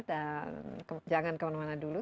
dan jangan kemana mana dulu